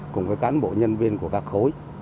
cùng với cán bộ nhân viên của các khối